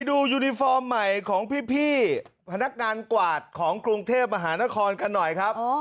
ดูยูนิฟอร์มใหม่ของพี่พนักงานกวาดของกรุงเทพมหานครกันหน่อยครับ